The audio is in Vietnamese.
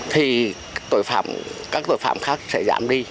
thì các tội phạm khác sẽ giảm đi